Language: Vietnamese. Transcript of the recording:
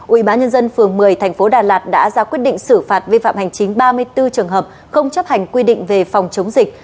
ubnd phường một mươi tp đà lạt đã ra quyết định xử phạt vi phạm hành chính ba mươi bốn trường hợp không chấp hành quy định về phòng chống dịch